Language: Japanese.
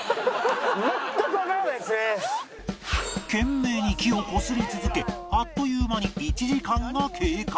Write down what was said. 懸命に木をこすり続けあっという間に１時間が経過